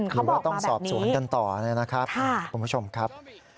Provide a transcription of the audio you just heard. หรือว่าต้องสอบสวนกันต่อนะครับคุณผู้ชมครับ